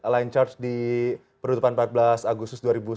line charge di penutupan empat belas agustus dua ribu sembilan belas